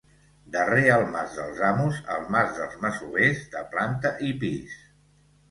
Darrer el mas dels amos, el mas dels masovers, de planta i pis.